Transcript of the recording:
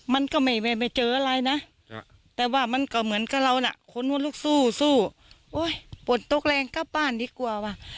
ไม่รู้สึกตัว